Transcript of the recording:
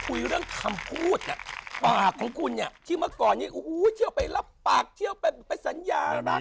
พูดอยู่เรื่องคำพูดปากของคุณที่เมื่อก่อนเที่ยวไปรับปากเที่ยวไปสัญญา